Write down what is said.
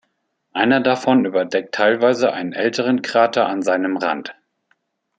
Einer davon überdeckt teilweise einen älteren Krater an seinem Rand.